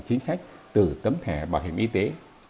chính sách từ tấm thẻ bảo hiểm y tế